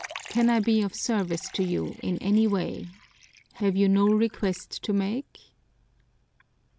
Can I be of service to you in any way? Have you no request to make?"